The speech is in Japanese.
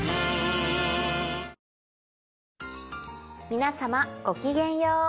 皆様ごきげんよう。